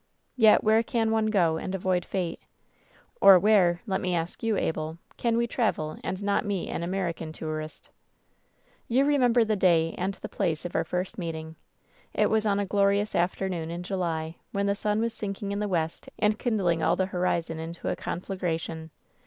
"Yet where can one go and avoid fate? Or where, let me ask you, Abel, can we travel and not meet an American tourist ? "You remember the day and the place of our first meeting. It was on a glorious afternoon in July, when the sun was sinking in the west and kindling all the horizon into a conflagration.